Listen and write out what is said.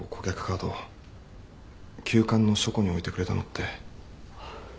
カード旧館の書庫に置いてくれたのって。